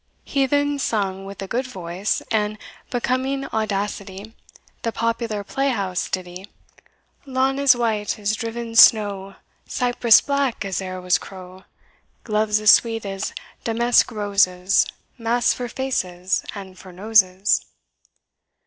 He then sung, with a good voice, and becoming audacity, the popular playhouse ditty, "Lawn as white as driven snow, Cyprus black as e'er was crow, Gloves as sweet as damask roses, Masks for faces and for noses."